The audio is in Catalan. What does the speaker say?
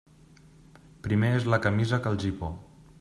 Primer és la camisa que el gipó.